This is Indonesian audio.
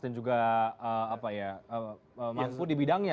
dan juga mampu di bidangnya